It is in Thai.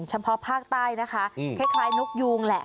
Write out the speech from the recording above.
เฉพาะภาคใต้นะคะคล้ายนกยูงแหละ